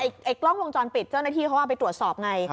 กล้องวงจรปิดเจ้าหน้าที่เขาเอาไปตรวจสอบไง